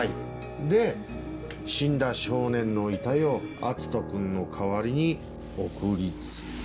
で死んだ少年の遺体を篤斗君の代わりに送りつけ。